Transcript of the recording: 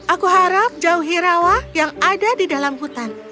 aku harap jauhi rawa yang ada di dalam hutan